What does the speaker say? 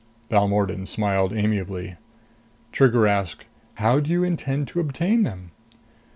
Balmordan smiled amiably. Trigger asked. "How do you intend to obtain them?"